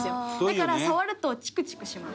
だから触るとチクチクします。